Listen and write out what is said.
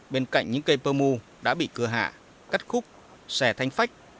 bên cạnh những cây pơ mu đã bị cưa hạ cắt khúc xè thanh phách